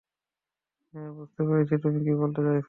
হ্যাঁ, বুঝতে পেরেছি তুমি কি বলতে চাইছো।